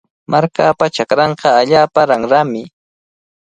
Markapa chakranqa allaapa ranrami.